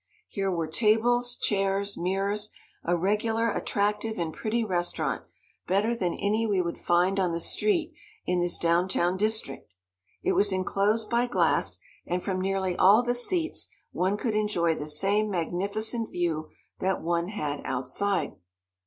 Here were tables, chairs, mirrors a regular, attractive and pretty restaurant, better than any we would find on the street in this down town district. It was enclosed by glass, and from nearly all the seats, one could enjoy the same magnificent view that one had outside.